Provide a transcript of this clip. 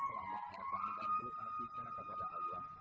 merupakan salah satu tarian dari etik